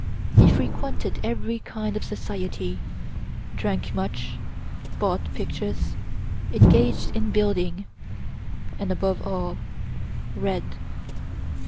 He frequented every kind of society, drank much, bought pictures, engaged in building, and above all—read.